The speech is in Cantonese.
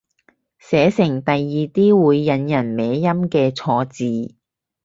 寫成第二啲會引人歪音嘅錯字